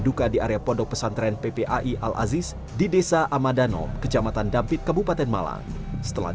duka di area pondok pesantren ppai al aziz di desa amadano kecamatan dampit kabupaten malang setelah